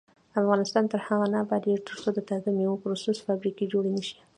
افغانستان تر هغو نه ابادیږي، ترڅو د تازه میوو پروسس فابریکې جوړې نشي.